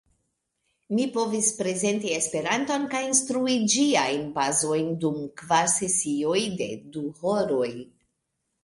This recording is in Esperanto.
Mi povis prezenti Esperanton kaj instrui ĝiajn bazojn dum kvar sesioj de du horoj.